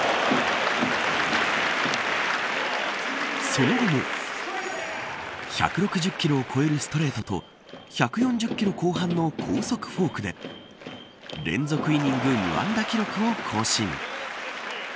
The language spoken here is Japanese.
その後も１６０キロを超えるストレートと１４０キロ後半の高速フォークで連続イニング無安打記録を更新。